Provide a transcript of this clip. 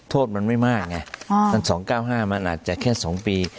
โทษมันไม่มากไงมัน๒๙๕มันอาจจะแค่๒ปี